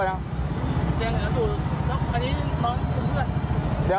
น้ำมะน้ำ